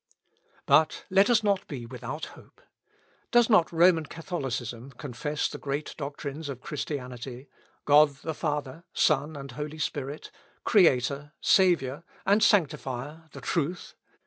But let us not be without hope. Does not Roman Catholicism confess the great doctrines of Christianity, God the Father, Son, and Holy Spirit, Creator, Saviour, and Sanctifier, the Truth?